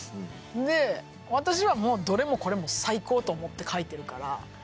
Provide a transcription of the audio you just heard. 私はどれもこれも最高と思って書いてるから。